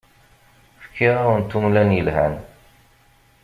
Fkiɣ-awent umlan yelhan.